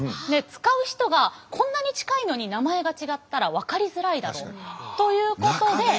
で使う人がこんなに近いのに名前が違ったら分かりづらいだろうということで。